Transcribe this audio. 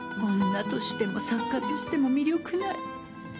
女としても作家としても魅力ない。